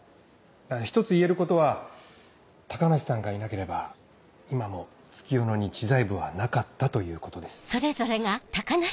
一つ言えることは高梨さんがいなければ今も月夜野に知財部はなかったということです。